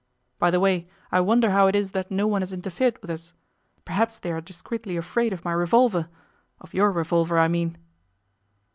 By the way, I wonder how it is that no one has interfered with us. Perhaps they are discreetly afraid of my revolver of your revolver, I mean.